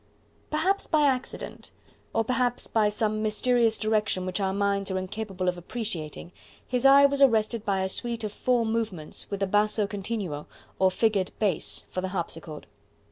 Perhaps by accident, or perhaps by some mysterious direction which our minds are incapable of appreciating, his eye was arrested by a suite of four movements with a basso continuo, or figured bass, for the harpsichord.